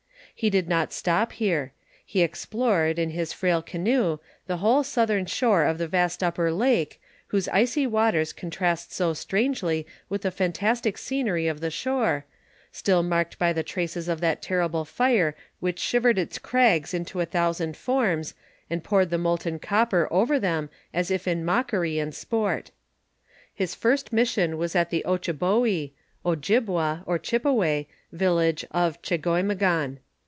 He did not stop here ; he explored, in his frail canoe, the whole southern shore of the vast upper lake, whose icy waters contrast so strangely with the fantastic scenery of the shore, still marked by the traces of that terrible fire which shiv ered its crags into a thousand forms, and poured the molten copper over them as if in mockery and sport His first mission was at the Ontchiboueo (Ojibwa, or Ghippeway) village of Chegoimegon.